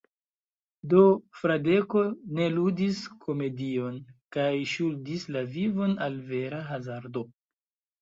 Do Fradeko ne ludis komedion, kaj ŝuldis la vivon al vera hazardo.